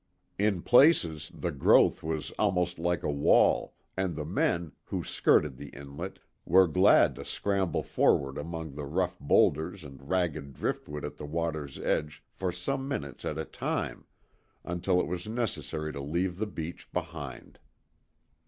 In places, the growth was almost like a wall, and the men, who skirted the inlet, were glad to scramble forward among the rough boulders and ragged driftwood at the water's edge for some minutes at a time, until it was necessary to leave the beach behind.